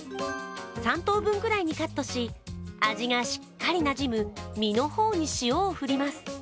３等分ぐらいにカットし、味がしっかりなじむ身の方に塩を振ります。